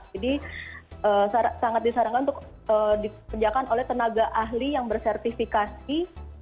jadi sangat disarankan untuk diperjakan oleh tenaga ahli yang bersertifikasi